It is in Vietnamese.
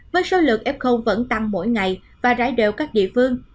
với số lượng f vẫn tăng mỗi ngày và rải đều các địa phương